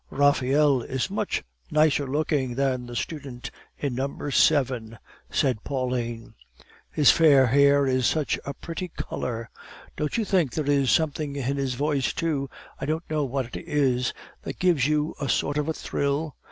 "'Raphael is much nicer looking than the student in number seven,' said Pauline; 'his fair hair is such a pretty color. Don't you think there is something in his voice, too, I don't know what it is, that gives you a sort of a thrill?